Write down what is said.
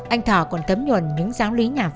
anh thọ còn tấm nhuận những giáo lý nhà phật